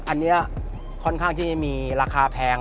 อันนี้ค่อนข้างที่จะมีราคาแพง